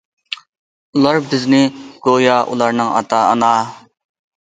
ئۇلار بىزنى گويا ئۇلارنىڭ ئاتا- ئانا.